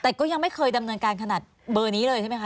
แต่ก็ยังไม่เคยดำเนินการขนาดเบอร์นี้เลยใช่ไหมคะ